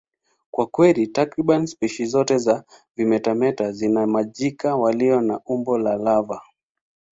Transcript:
Kwa kweli, takriban spishi zote za vimetameta zina majike walio na umbo la lava.